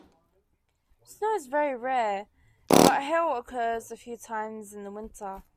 Snow is very rare, but Hail occurs a few times in the winter.